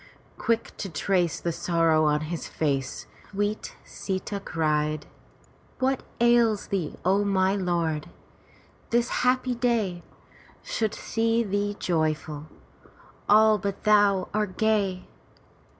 Quick to trace the sorrow on his face, sweet Sita cried: " What ails thee, my lord? This happy day Should see thee joyful. All but thou are gay.